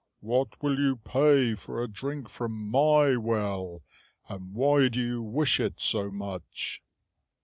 "What will you pay for a drink from my well, and why do you wish it so much?"